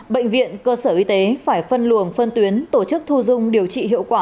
bệnh viện cơ sở y tế phải phân luồng phân tuyến tổ chức thu dung điều trị hiệu quả